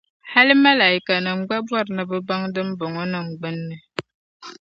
Hal malaikanim’ gba bɔri ni bɛ baŋ dimbɔŋɔnim’ gbinni.